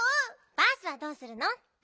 バースはどうするの？